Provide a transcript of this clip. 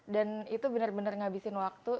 dan itu benar benar ngabisin waktu